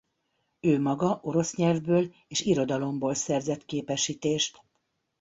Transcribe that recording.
Ő maga orosz nyelvből és irodalomból szerzett képesítést.